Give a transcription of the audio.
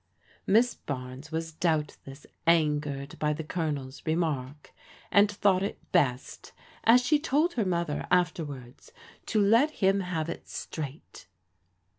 Miss Barnes was doubtless angered by the Colonel's remark, and thought it best, as she told her mother after wards, " to let him have it straight."